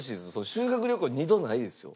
修学旅行２度ないですよ。